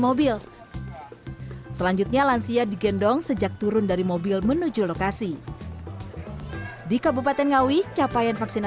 mobil selanjutnya lansia digendong sejak turun dari mobil menuju lokasi di kabupaten ngawi capaian vaksinasi